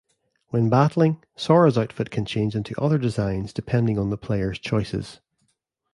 When battling, Sora's outfit can change into other designs depending on the player's choices.